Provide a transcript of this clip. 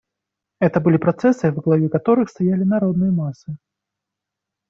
Это были процессы, во главе которых стояли народные массы.